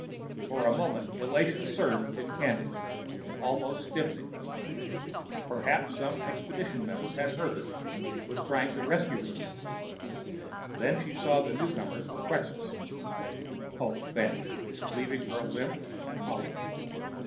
For a moment, elation surged in Candy, almost stifling her. Perhaps some expedition member had heard her, was hurrying to her rescue. Then she saw that the newcomers were Quxas. Hope vanished, leaving her limp and hollow.